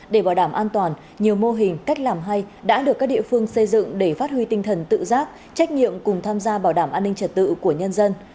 để bảo đảm an toàn nhiều mô hình cách làm hay đã được các địa phương xây dựng để phát huy tinh thần tự giác trách nhiệm cùng tham gia bảo đảm an ninh trật tự của nhân dân